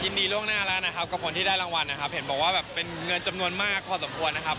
ดีล่วงหน้าแล้วนะครับกับคนที่ได้รางวัลนะครับเห็นบอกว่าแบบเป็นเงินจำนวนมากพอสมควรนะครับ